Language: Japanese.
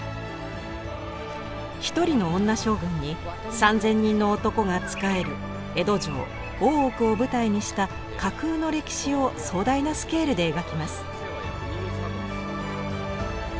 １人の女将軍に３，０００人の男が仕える江戸城・大奥を舞台にした架空の歴史を壮大なスケールで描きます。